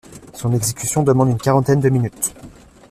Son exécution demande une quarantaine de minutes.